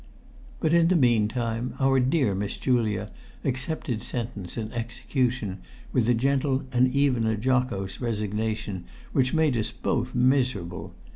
But in the meantime our dear Miss Julia accepted sentence and execution with a gentle and even a jocose resignation which made us both miserable.